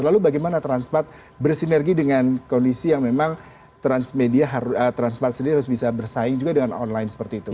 lalu bagaimana transmart bersinergi dengan kondisi yang memang transmart sendiri harus bisa bersaing juga dengan online seperti itu